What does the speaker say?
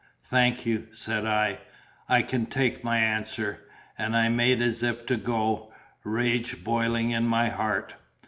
"Thank you," said I. "I can take my answer," and I made as if to go, rage boiling in my heart.